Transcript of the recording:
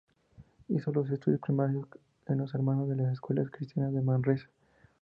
Hizo los estudios primarios en los Hermanos de las Escuelas Cristianas de Manresa.